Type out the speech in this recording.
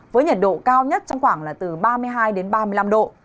với nhiệt độ cao nhất trong khoảng là từ ba mươi hai đến ba mươi năm độ